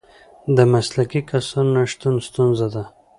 د مسلکي کسانو نشتون ستونزه ده.